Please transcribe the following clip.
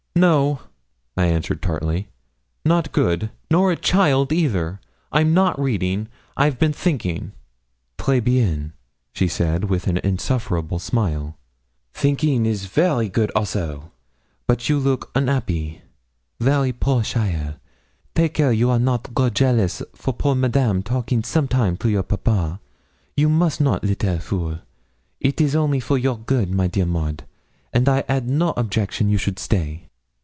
'No,' I answered tartly; 'not good, nor a child either; I'm not reading, I've been thinking.' 'Très bien!' she said, with an insufferable smile, 'thinking is very good also; but you look unhappy very, poor cheaile. Take care you are not grow jealous for poor Madame talking sometime to your papa; you must not, little fool. It is only for a your good, my dear Maud, and I had no objection you should stay.'